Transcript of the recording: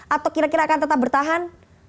atau kira kira akan tetap bertahan